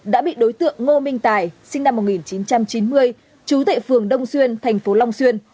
đã bị đối tượng ngô minh tài sinh năm một nghìn chín trăm chín mươi chú tại phường đông xuyên thành phố long xuyên